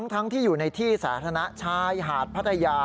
ทั้งที่อยู่ในที่สาธารณะชายหาดพัทยา